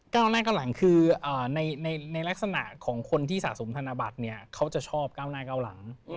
หน้าเก้าหลังคือในลักษณะของคนที่สะสมธนบัตรเนี่ยเขาจะชอบก้าวหน้าเก้าหลัง